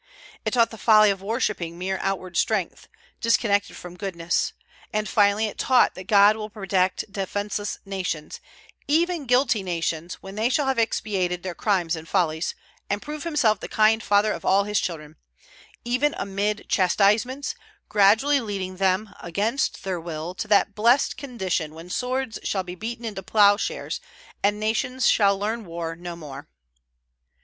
It taught the folly of worshipping mere outward strength, disconnected from goodness; and, finally, it taught that God will protect defenceless nations, and even guilty nations, when they shall have expiated their crimes and follies, and prove Himself the kind Father of all His children, even amid chastisements, gradually leading them, against their will, to that blessed condition when swords shall be beaten into ploughshares, and nations shall learn war no more.